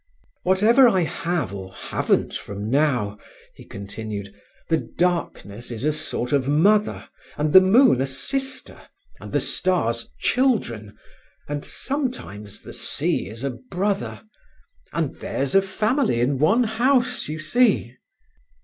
"Whatever I have or haven't from now," he continued, "the darkness is a sort of mother, and the moon a sister, and the stars children, and sometimes the sea is a brother: and there's a family in one house, you see."